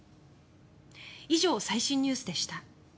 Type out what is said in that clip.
以上、最新ニュースでした。